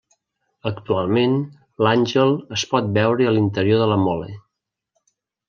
Actualment, l'àngel es pot veure a l'interior de la Mole.